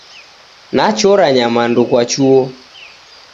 Nachora nyamandu kwa chuo